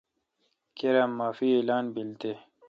کیر معافی اعلان بیل تے۔